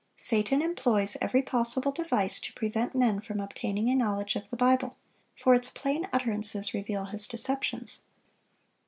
Satan employs every possible device to prevent men from obtaining a knowledge of the Bible; for its plain utterances reveal his deceptions.